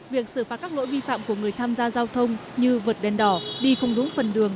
việc xử phạt các lỗi vi phạm của người tham gia giao thông như vượt đèn đỏ đi không đúng phần đường